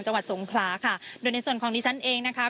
จังหวัดสงขลาค่ะโดยในส่วนของดิฉันเองนะคะ